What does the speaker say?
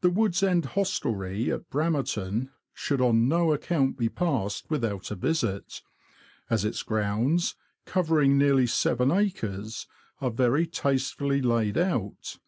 The Wood's End hostelry, at Bramerton, should on no account be passed without a visit, as its grounds, covering nearly seven acres, are very tastefully laid out.